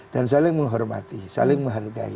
dan saling menghormati saling menghargai